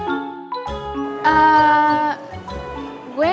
ada ada yang roman